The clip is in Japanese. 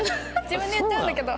自分で言っちゃうんだけど。